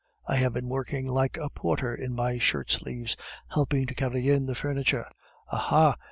I have been working like a porter in my shirt sleeves, helping to carry in the furniture. Aha!